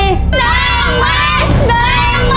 ได้มาได้มาได้มา